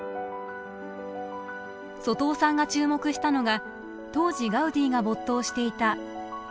外尾さんが注目したのが当時ガウディが没頭していた色の実験。